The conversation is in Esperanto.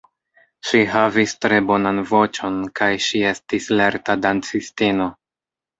Ŝi havis tre bonan voĉon kaj ŝi estis lerta dancistino.